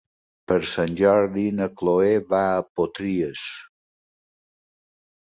Per Sant Jordi na Cloè va a Potries.